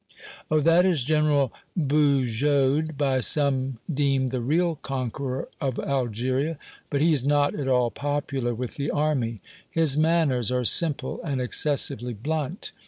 "Oh! that is General Bugeaud, by some deemed the real conqueror of Algeria. But he's not at all popular with the army. His manners are simple and excessively blunt.